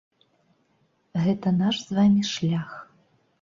Гэта наш з вамі шлях.